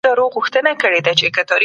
کمپيوټر ږغ پېژني.